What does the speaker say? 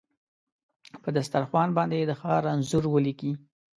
په دسترخوان باندې د ښار انځور ولیکې